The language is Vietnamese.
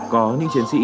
có những chiến sĩ